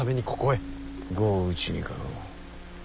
碁を打ちにかの。